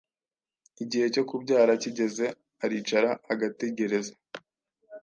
Igihe cyo kubyara kigeze aricara agategereza